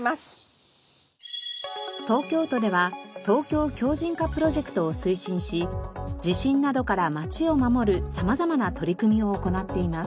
東京都ではＴＯＫＹＯ強靭化プロジェクトを推進し地震などから街を守る様々な取り組みを行っています。